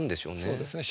そうですね。